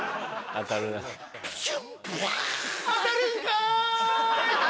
当たるんかい！